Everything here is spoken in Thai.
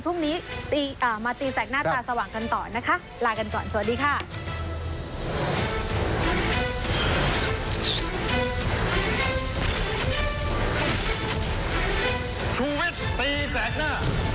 พรุ่งนี้มาตีแสกหน้าตาสว่างกันต่อนะคะลากันก่อนสวัสดีค่ะ